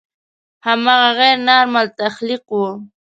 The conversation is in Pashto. هماغه غیر نارمل تخلیق و.